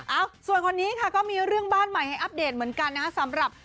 เอ้าส่วนคนนี้ค่ะก็มีเรื่องบ้านใหม่ให้อัปเดตเหมือนกันนะฮะสำหรับ